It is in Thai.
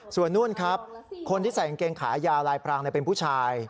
ส่วนนู่นครับคนที่ใส่กางเกงขายาวลายพรางเป็นผู้ชาย